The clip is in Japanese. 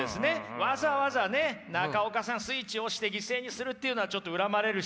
わざわざ中岡さんスイッチを押して犠牲にするっていうのはちょっと恨まれるし。